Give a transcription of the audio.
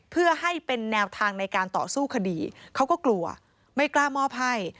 เพื่อให้เป็นแนวทางในการต่อสู้คดีเขาก็กลัวไม่กล้ามอบให้